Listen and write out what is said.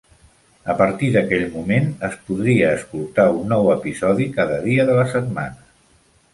A partir d'aquell moment, es podria escoltar un nou episodi cada dia de la setmana.